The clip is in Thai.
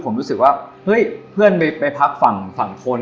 ผมรู้สึกว่าเฮ้ยเพื่อนไปพักฝั่งทน